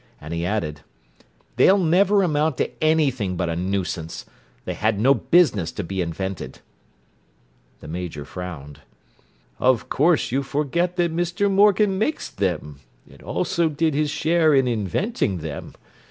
And he added, "They'll never amount to anything but a nuisance. They had no business to be invented." The Major frowned. "Of course you forget that Mr. Morgan makes them, and also did his share in inventing them.